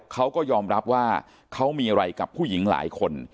เขาก็ยอมรับว่าเขามีอะไรกับผู้หญิงหลายคน